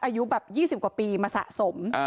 อายุแบบ๒๐กว่าปีมาสะสม